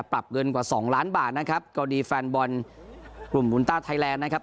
ปรับเงินกว่าสองล้านบาทนะครับก็ดีแฟนบอลกลุ่มวูลต้าไทยแลนด์นะครับ